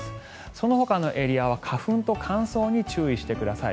そのほかのエリアは花粉と乾燥に注意してください。